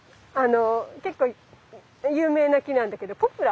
結構有名な木なんだけどポプラ。